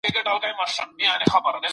ولي ژور فکر کول مهم دي؟